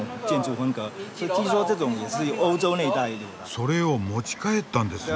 それを持ち帰ったんですね？